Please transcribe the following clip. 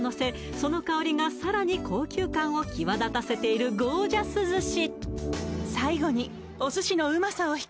その香りがさらに高級感を際立たせているゴージャス寿司